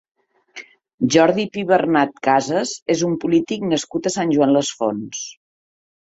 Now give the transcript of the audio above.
Jordi Pibernat Casas és un polític nascut a Sant Joan les Fonts.